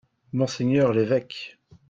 Monseigneur l'évêque.